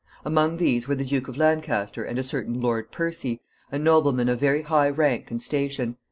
Among these were the Duke of Lancaster and a certain Lord Percy, a nobleman of very high rank and station.